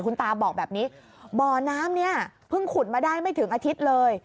คุณตาบอกแบบนี้บ่อน้ำเนี่ยเพิ่งขุดมาได้ไม่ถึงอาทิตย์เลย